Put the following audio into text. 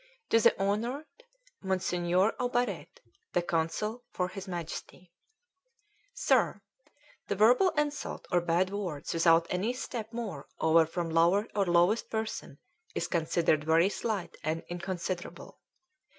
"TO THE HON. THE MONSIEUR AUBARET, the Consul for H.I.M. "SIR: The verbal insult or bad words without any step more over from lower or lowest person is considered very slight & inconsiderable.